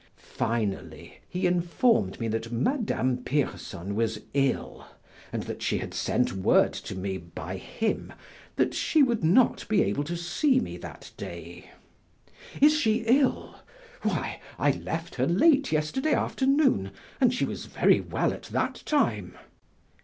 Finally, he informed me that Madame Pierson was ill and that she had sent word to me by him that she would not be able to see me that day. "Is she ill? Why, I left her late yesterday afternoon and she was very well at that time!"